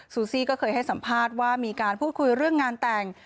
ซูซี่ก็เคยให้สัมภาษณ์ว่ามีการพูดคุยเรื่องงานแต่ง